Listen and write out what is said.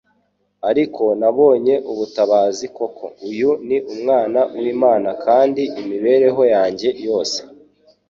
ariko nabonye ubutabazi. Koko uyu ni Umwana w'Imana kandi imibereho yanjye yose